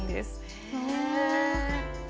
へえ。